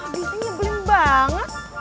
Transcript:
habisnya nyebelin banget